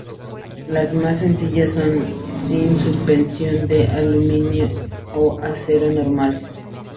Las más sencillas son sin suspensión de aluminio o acero normales.